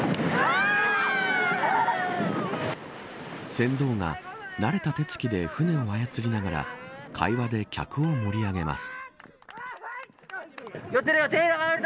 船頭が慣れた手つきで舟を操りながら会話で客を盛り上げます。